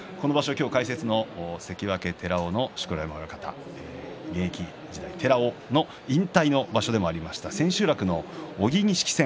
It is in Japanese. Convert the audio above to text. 解説は関脇寺尾の錣山親方現役時代、寺尾の引退の場所でもありました千秋楽の小城錦戦